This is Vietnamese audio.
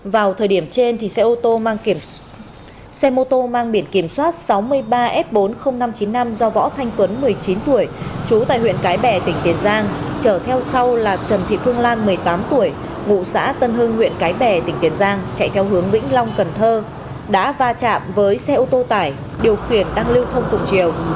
vào thời điểm trên xe ô tô mang biển kiểm soát sáu mươi ba f bốn mươi nghìn năm trăm chín mươi năm do võ thanh tuấn một mươi chín tuổi trú tại huyện cái bè tỉnh tiền giang trở theo sau là trần thị phương lan một mươi tám tuổi vụ xã tân hương huyện cái bè tỉnh tiền giang chạy theo hướng vĩnh long cần thơ đã va chạm với xe ô tô tải điều khiển đang lưu thông thùng chiều